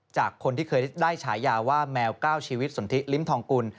จากคนที่เคยได้ฉายาว่าแมว๙ชีวิตสนทิลิ้มทองกุล